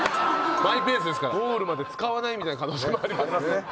マイペースですからゴールまで使わないみたいな可能性もあります。